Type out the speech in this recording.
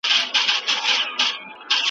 ایا ته کله له لوی ځنګل څخه ډارېږې؟